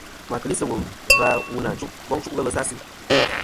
Ma keli sɨ wul vzɨ aleʼ a wu na boŋ chuʼ ghelɨ sa asɨ.